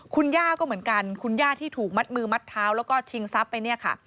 คุณย่าก็เหมือนกันคุณย่าที่ถูกมัดมือมัดเท้าแล้วก็ชิงทรัพย์ไปเนี่ยค่ะ